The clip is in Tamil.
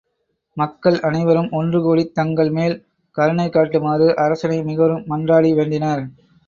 மக்கள் அனைவரும் ஒன்றுகூடித் தங்கள் மேல் கருணை காட்டுமாறு அரசனை மிகவும் மன்றாடி வேண்டினர்.